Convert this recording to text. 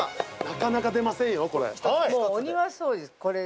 ◆なかなか出ませんよ、これ。